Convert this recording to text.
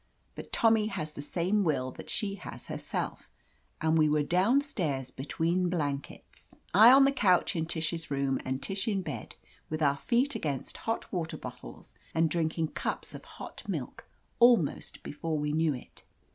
But Tommy has the same will that she has herself, and we were downstairs between blankets, I on the 72 OF LETITIA CARBERRY couch in Tish's room and Tish in bed, with our feet against hot water bottles, and drink ing cups of hot milk, almost before we knew it.